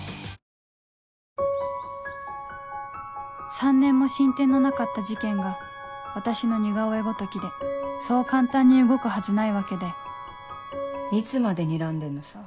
３年も進展のなかった事件が私の似顔絵ごときでそう簡単に動くはずないわけでいつまでにらんでんのさ。